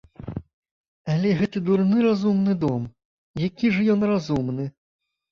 Але гэты дурны разумны дом, які ж ён разумны?